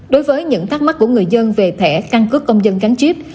đối với những thắc mắc của người dân về thẻ căn cước công dân gắn chip